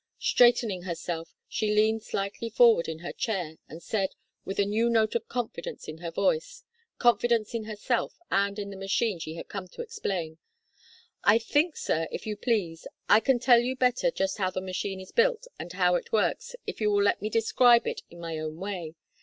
Straightening herself, she leaned slightly forward in her chair, and said, with a new note of confidence in her voice confidence in herself and in the machine she had come to explain: "I think, sir, if you please, I can tell you better just how the machine is built and how it works, if you will let me describe it in my own way.